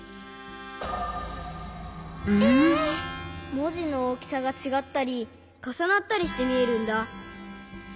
もじのおおきさがちがったりかさなったりしてみえるんだ。